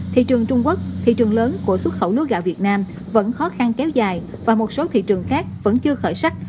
thị trường trung quốc thị trường lớn của xuất khẩu lúa gạo việt nam vẫn khó khăn kéo dài và một số thị trường khác vẫn chưa khởi sách